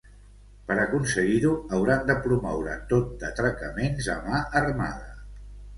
Per aconseguir-ho, hauran de promoure tot d’atracaments a mà armada.